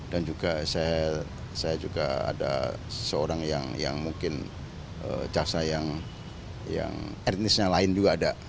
dan juga saya ada seorang yang mungkin jaksa yang etnisnya lain juga ada